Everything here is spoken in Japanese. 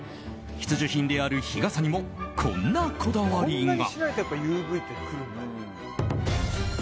必需品である日傘にもこんなこだわりが。